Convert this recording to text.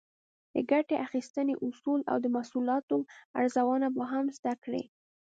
د ګټې اخیستنې اصول او د محصولاتو ارزونه به هم زده کړئ.